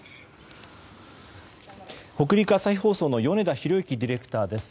北陸朝日放送の米田宏行ディレクターです。